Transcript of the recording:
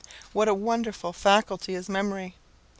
What a wonderful faculty is memory!